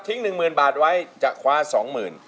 ทิ้ง๑หมื่นบาทไว้จะคว้า๒หมื่น